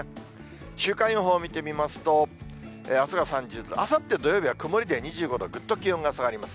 週間予報見てみますと、あすが３０度、あさって土曜日は曇りで２５度、ぐっと気温が下がります。